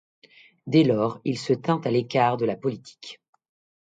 Dès lors, il se tint à l'écart de la politique.